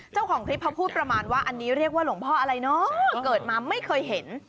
เจ้าของคลิปเขาพูดประมาณว่าอันนี้เรียกว่าหลวงพ่ออะไรเนาะเกิดมาไม่เคยเห็น